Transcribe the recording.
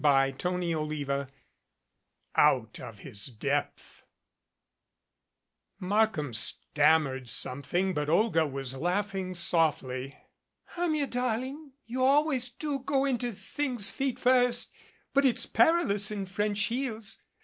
CHAPTER IX OUT OF HIS DEPTH MARKHAM stammered something, but Olga was laughing softly. "Hermia, darling, you always do go into things feet first, but it's perilous in French heels.